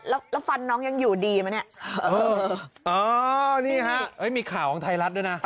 แล้วฟันน้องยังอยู่ดีไหมเนี่ยมีข่าวของไทยรัฐด้วยนะ